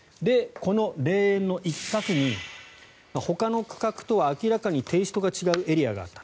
この霊園の一画にほかの区画とは明らかにテイストが違うエリアがあった。